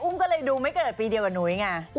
ก็เลยดูไม่เกิดปีเดียวกับนุ้ยไง